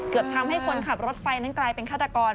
ทำให้คนขับรถไฟนั้นกลายเป็นฆาตกร